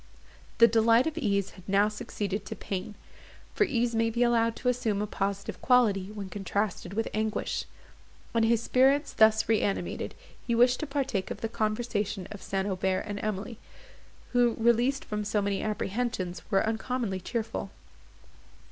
The delight of ease had now succeeded to pain; for ease may be allowed to assume a positive quality when contrasted with anguish; and, his spirits thus reanimated, he wished to partake of the conversation of St. Aubert and Emily, who, released from so many apprehensions, were uncommonly cheerful.